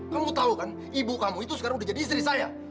kamu tahu kan ibu kamu itu sekarang udah jadi istri saya